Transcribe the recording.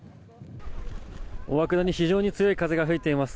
大涌谷、非常に強い風が吹いています。